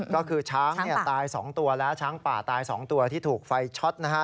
ก็คือช้างตาย๒ตัวแล้วช้างป่าตาย๒ตัวที่ถูกไฟช็อตนะฮะ